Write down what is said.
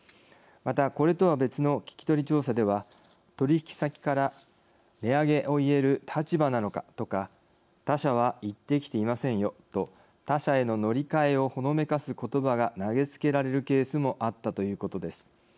また、これとは別の聞き取り調査では取引先から「値上げを言える立場なのか？」とか「他社は言ってきていませんよ」と他社への乗り換えをほのめかす言葉が投げつけられるケースもあったということです。